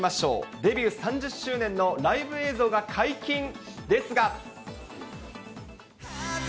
デビュー３０周年のライブ映像が解禁ですが。